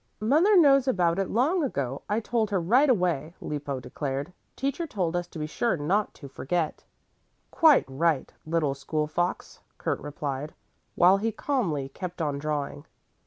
"Mother knows about it long ago. I told her right away," Lippo declared. "Teacher told us to be sure not to forget." "Quite right, little school fox," Kurt replied, while he calmly kept on drawing.